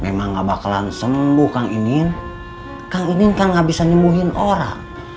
memang nggak bakalan sembuh kang inin kang inin kan nggak bisa nyebuhin orang